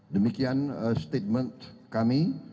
demikian statement kami